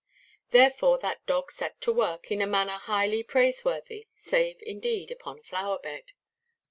Therefore that dog set to work, in a manner highly praiseworthy (save, indeed, upon a flowerbed).